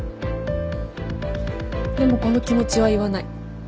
でもこの気持ちは言わない。